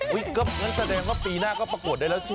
ก็งั้นแสดงว่าปีหน้าก็ประกวดได้แล้วสิ